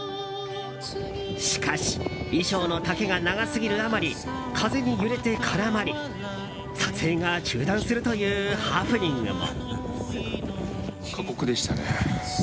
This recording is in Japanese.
しかし衣装の丈が長すぎるあまり風に揺れて絡まり撮影が中断するというハプニングも。